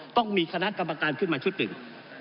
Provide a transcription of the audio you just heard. ต้องมีคณะกรรมการขึ้นมาชุดหนึ่ง